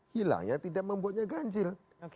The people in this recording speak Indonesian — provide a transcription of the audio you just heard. hilangnya tidak membuatnya ganjil